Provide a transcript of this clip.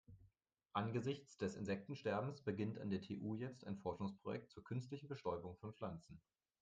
Angesichts des Insektensterbens beginnt an der TU jetzt ein Forschungsprojekt zur künstlichen Bestäubung von Pflanzen.